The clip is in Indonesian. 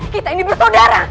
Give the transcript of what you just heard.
kita ini bersaudara